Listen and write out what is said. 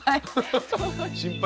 心配。